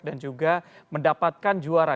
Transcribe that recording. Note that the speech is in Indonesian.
dan juga mendapatkan juara